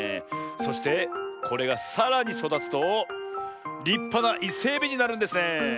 そしてこれがさらにそだつとりっぱなイセエビになるんですねえ。